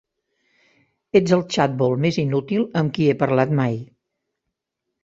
Ets el xatbol més inútil amb qui he parlat mai.